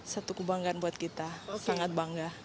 satu kebanggaan buat kita sangat bangga